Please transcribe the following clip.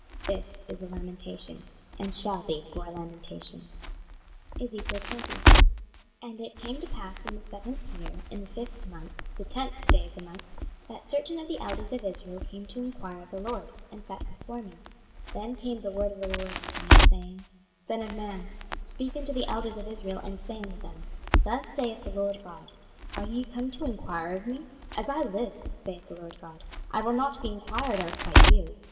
This is a lamentation, and shall be for a lamentation. 26:020:001 And it came to pass in the seventh year, in the fifth month, the tenth day of the month, that certain of the elders of Israel came to enquire of the LORD, and sat before me. 26:020:002 Then came the word of the LORD unto me, saying, 26:020:003 Son of man, speak unto the elders of Israel, and say unto them, Thus saith the Lord GOD; Are ye come to enquire of me? As I live, saith the Lord GOD, I will not be enquired of by you.